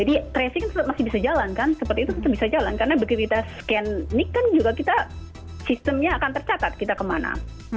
jadi tracing kan masih bisa jalan kan seperti itu masih bisa jalan karena begitu kita scan ini kan juga kita sistemnya akan tercatat kita kemana